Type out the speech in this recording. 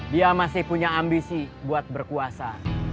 dia masih punya ambisi buat berkuasa